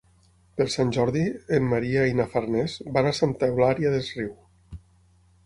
Per Sant Jordi en Maria i na Farners van a Santa Eulària des Riu.